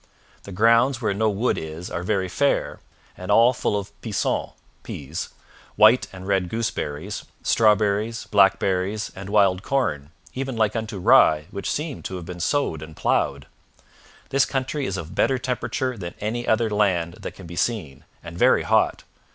The grounds where no wood is are very fair, and all full of peason [peas], white and red gooseberries, strawberries, blackberries, and wild corn, even like unto rye, which seemed to have been sowed and ploughed. This country is of better temperature than any other land that can be seen, and very hot.